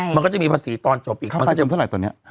มันก็จะมีภาษีตอนคราฟภัยเจอมเท่าไหร่ตัวเนี้ย